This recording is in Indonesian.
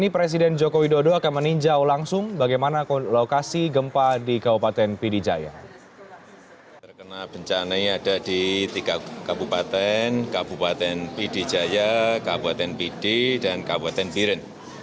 pd jaya kabupaten pd dan kabupaten biren